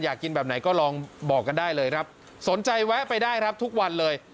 อยากกินแบบไหนก็ลองบอกกันได้เลยครับสนใจแวะไปได้ครับทุกวันเลย